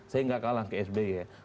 sehingga kalah ke psb